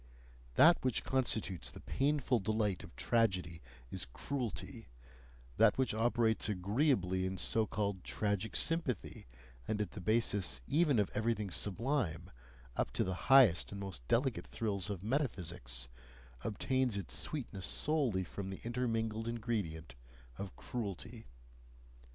That which constitutes the painful delight of tragedy is cruelty; that which operates agreeably in so called tragic sympathy, and at the basis even of everything sublime, up to the highest and most delicate thrills of metaphysics, obtains its sweetness solely from the intermingled ingredient of cruelty.